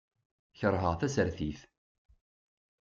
Keṛheɣ tasertit.